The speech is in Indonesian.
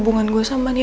gua bisa ke panti